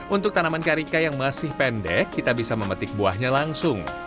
untuk tanaman karika yang masih pendek kita bisa memetik buahnya langsung